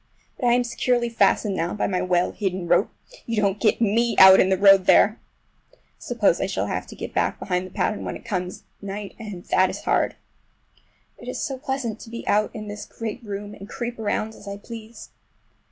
But I am securely fastened now by my well hidden rope—you don't get me out in the road there! I suppose I shall have to get back behind the pattern when it comes night, and that is hard! It is so pleasant to be out in this great room and creep around as I please!